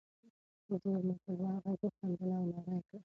ورور مې په لوړ غږ وخندل او ناره یې کړه.